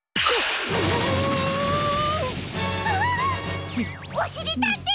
おしりたんていさん！？